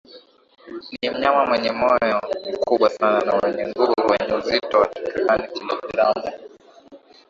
Ni mnyama mwenye moyo mkubwa sana na wenye nguvu wenye uzito wa takribani kilogramu